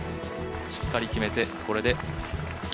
しっかり決めて、これで。